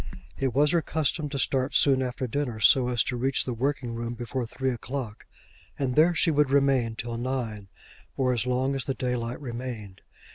It was her custom to start soon after dinner, so as to reach the working room before three o'clock, and there she would remain till nine, or as long as the daylight remained.